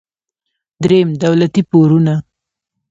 دریم: دولتي پورونه.